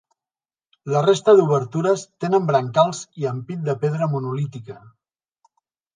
La resta d’obertures tenen brancals i ampit de pedra monolítica.